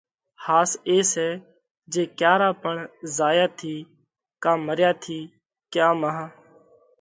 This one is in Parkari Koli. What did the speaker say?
ۿاس اي سئہ جي ڪيا را پڻ زايا ٿِي ڪا مريا ٿِي ڪيا مانه